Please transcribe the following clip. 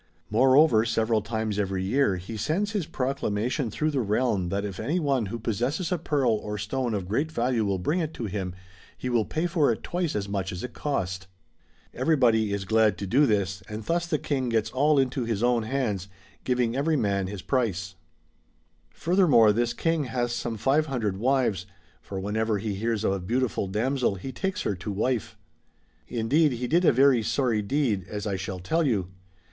More over several times every year he sends his proclamation through the realm that if any one who possesses a pearl or stone of great value will bring it to him, he will pay for it twice as much as it cost. Everybody is glad to do this, and thus the King gets all into his own hands, giving every man his price. 2/6 MARCO POLO. BOOK III. Furthermore, this King hath some five hundred wives, for whenever he hears of a beautiful damsel he takes her to wife. Indeed he did a very sorry deed as I shall tell you.